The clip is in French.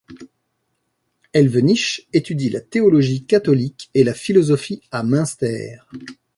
Elvenich étudie la théologie catholique et la philosophie à Münster.